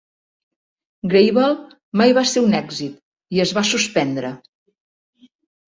"Gravel" mai va ser un èxit i es va suspendre.